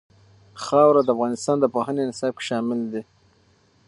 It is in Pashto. خاوره د افغانستان د پوهنې نصاب کې شامل دي.